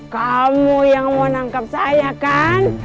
kamu yang mau nangkap saya kan